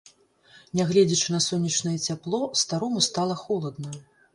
Не гледзячы на сонечнае цяпло, старому стала холадна.